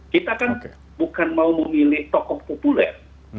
kita kan bukan mau memilih tokoh populer